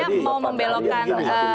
anda mau membelokkan